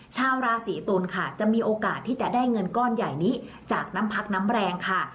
ชาวราศีตุลค่ะจะมีโอกาสที่จะได้เงินก้อนใหญ่นี้จากน้ำพักน้ำแรงค่ะ